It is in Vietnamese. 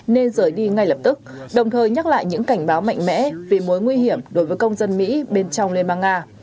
nên rời đi ngay lập tức đồng thời nhắc lại những cảnh báo mạnh mẽ về mối nguy hiểm đối với công dân mỹ bên trong liên bang nga